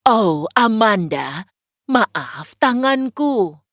oh amanda maaf tanganku